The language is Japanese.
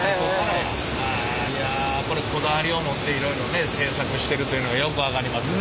いやこれこだわりを持っていろいろね製作してるというのがよく分かります！